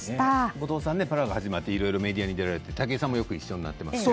後藤さん、パラが始まっていろいろメディアに出られて武井さんも一緒になっていますね。